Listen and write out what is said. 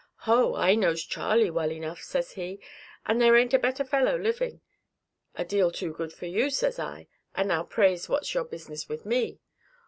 'Ho, I knows Charley well enough,' says he, 'and there ain't a better fellow living.' 'A deal too good for you,' says I, 'and now pray what's your business with me?